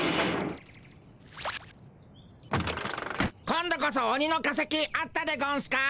今度こそオニの化石あったでゴンスか？